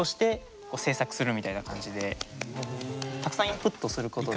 たくさんインプットすることで。